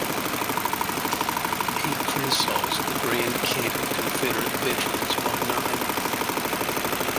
He criticized the Grand Camp of Confederate Veterans by name.